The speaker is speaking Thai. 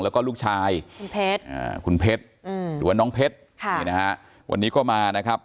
แล้วก็ลูกชายคุณเพชรหรือน้องเพชรวันนี้ก็มานะครับ